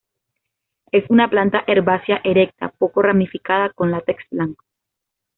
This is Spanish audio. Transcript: Es una planta herbácea erecta, poco ramificada, con látex blanco.